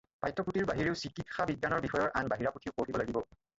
পাঠ্যক্ৰমৰ বাহিৰেও চিকিৎসা বিজ্ঞান বিষয়ৰ আন বাহিৰা পুথিও পঢ়িব লাগিব।